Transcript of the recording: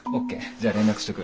じゃあ連絡しとく。